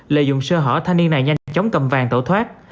lợi dụng sơ hở thanh niên này nhanh chóng cầm vàng tẩu thoát